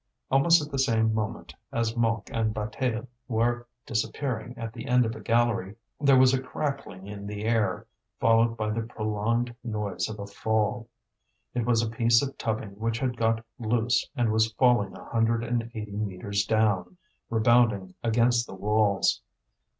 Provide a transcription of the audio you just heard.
Almost at the same moment as Mouque and Bataille were disappearing at the end of a gallery, there was a crackling in the air, followed by the prolonged noise of a fall. It was a piece of tubbing which had got loose and was falling a hundred and eighty metres down, rebounding against the walls.